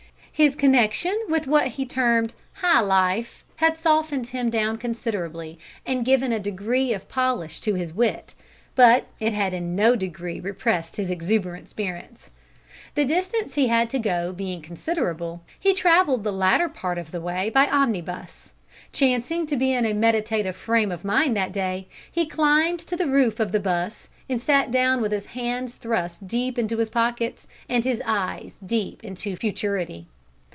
His connection with what he termed "'igh life" had softened him down considerably, and given a certain degree of polish to his wit, but it had in no degree repressed his exuberant spirits. The distance he had to go being considerable, he travelled the latter part of the way by omnibus. Chancing to be in a meditative frame of mind that day, he climbed to the roof of the 'bus, and sat down with his hands thrust deep into his pockets, and his eyes deep into futurity.